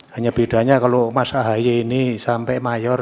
hanya bedanya kalau mas ahy ini sampai mayor